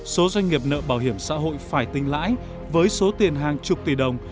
số doanh nghiệp nợ bảo hiểm xã hội phải tinh lãi với số tiền hàng chục tỷ đồng